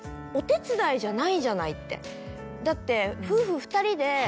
「だって」。